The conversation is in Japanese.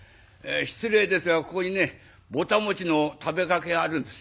失礼ですがここにねぼた餅の食べかけがあるんです。